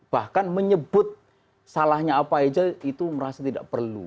bahkan menyebut salahnya apa saja itu merasa tidak perlu